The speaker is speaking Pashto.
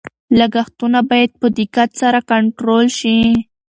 لګښتونه باید په دقت سره کنټرول شي.